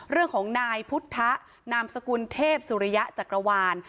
เรื่องของนายพุทธนามสกุลเทพสุริยะจักรวาล